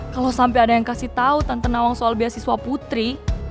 kalau sampe ada yang kasih tau tante nawang soal biasiswa putri